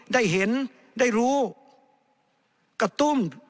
ได้เห็นได้รู้กระตุ้ม